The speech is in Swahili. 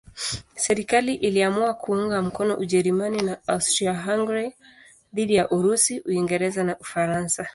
Serikali iliamua kuunga mkono Ujerumani na Austria-Hungaria dhidi ya Urusi, Uingereza na Ufaransa.